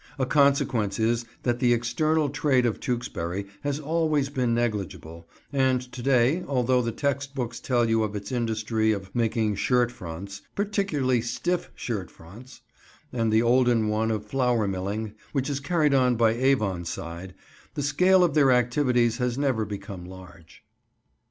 A consequence is that the external trade of Tewkesbury has always been negligible, and to day, although the text books tell you of its industry of making shirt fronts—"particularly stiff shirt fronts"—and the olden one of flour milling, which is carried on by Avonside, the scale of their activities has never become large.